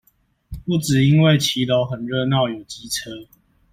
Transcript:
不只因為騎樓很熱鬧有機車